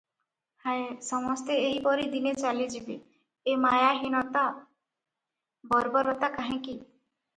ହାୟ! ସମସ୍ତେ ଏହିପରି ଦିନେ ଚାଲିଯିବେ- ଏମାୟା, ହୀନତା, ବର୍ବରତା କାହିଁକି?